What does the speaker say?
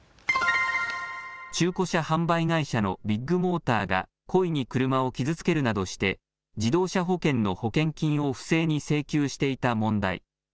中古車販売会社のビッグモーターが故意に車を傷つけるなどして自動車保険の保険金を不正に請求していた問題。